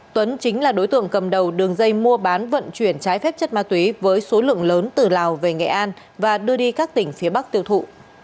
tuấn chính là đối tượng cầm đầu đường dây mua bán vận chuyển trái phép chất ma túy với số lượng lớn từ lào về nghệ an và đưa đi các tỉnh phía bắc tiêu thụ